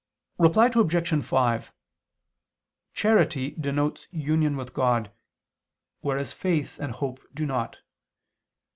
Reply Obj. 5: Charity denotes union with God, whereas faith and hope do not.